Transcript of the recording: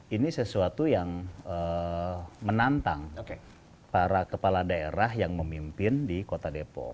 ini sesuatu yang menantang para kepala daerah yang memimpin di kota depok